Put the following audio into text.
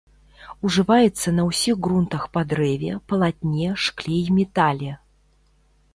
Ужываецца на ўсіх грунтах па дрэве, палатне, шкле і метале.